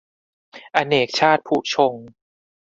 อเนกชาติภุชงค์